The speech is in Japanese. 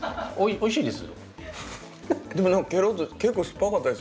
おいしいです。